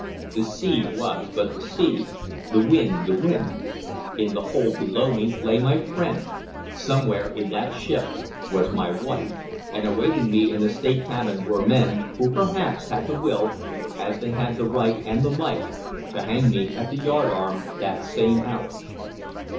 The sea was but the sea, the wind the wind; in the hold below me lay my friend; somewhere in that ship was my wife; and awaiting me in the state cabin were men who perhaps had the will, as they had the right and the might, to hang me at the yardarm that same hour.